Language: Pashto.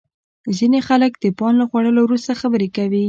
ځینې خلک د پان له خوړلو وروسته خبرې کوي.